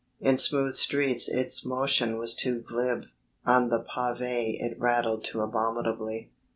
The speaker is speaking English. In smooth streets its motion was too glib, on the pavé it rattled too abominably.